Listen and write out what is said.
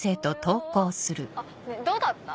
あっどうだった？